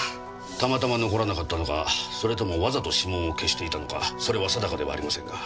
たまたま残らなかったのかそれともわざと指紋を消していたのかそれは定かではありませんが。